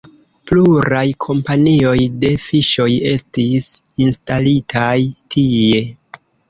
Pluraj kompanioj de fiŝoj estis instalitaj tie.